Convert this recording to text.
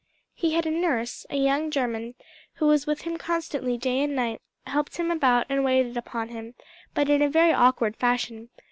He had a nurse, a young German, who was with him constantly day and night, helped him about and waited upon him, but in a very awkward fashion.